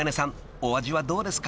お味はどうですか？］